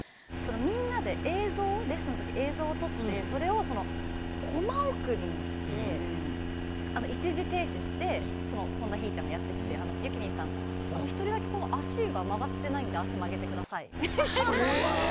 みんなでレッスンの時に映像を撮ってそれをコマ送りにして一時停止してひぃちゃんがやっててゆきりんさん１人だけ足が曲がっていないので足曲げてくださいって。